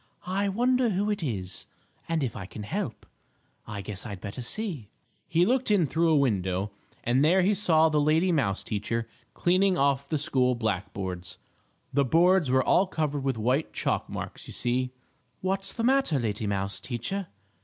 "I wonder who it is, and if I can help? I guess I'd better see." He looked in through a window, and there he saw the lady mouse teacher cleaning off the school black boards. The boards were all covered with white chalk marks, you see. "What's the matter, lady mouse teacher?"